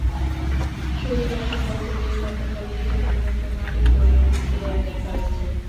শনিবার সকাল থেকে গতকাল বিকেল পর্যন্ত মাটি সরিয়ে নিতে দেখা গেছে।